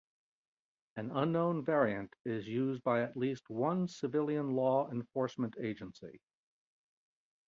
An unknown variant is used by at least one civilian law enforcement agency.